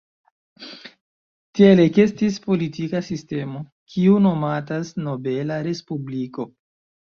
Tiel ekestis politika sistemo, kiu nomatas "nobela respubliko".